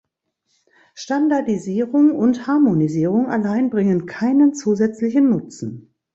Standardisierung und Harmonisierung allein bringen keinen zusätzlichen Nutzen.